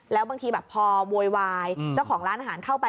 แล้วบางทีแบบพอโวยวายเจ้าของร้านอาหารเข้าไป